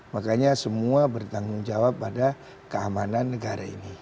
makanya semua bertanggung jawab pada keamanan negara ini